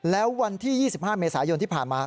แล้ววันที่๒๕เมษายนที่ผ่านมา